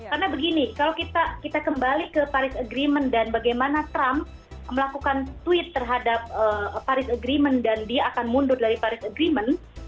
karena begini kalau kita kembali ke paris agreement dan bagaimana trump melakukan tweet terhadap paris agreement dan dia akan mundur dari paris agreement